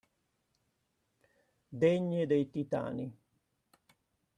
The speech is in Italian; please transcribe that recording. Degne dei Titani.